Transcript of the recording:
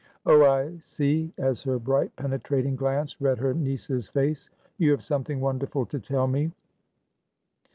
Oh, I see," as her bright, penetrating glance read her niece's face. "You have something wonderful to tell me.